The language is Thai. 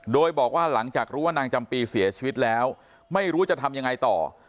โดยบอกว่าหลังจากรู้ว่านางจำปีเสียชีวิตแล้วไม่รู้จะทำยังไงต่อ